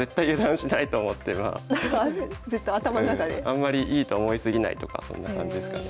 あんまりいいと思い過ぎないとかそんな感じですかね。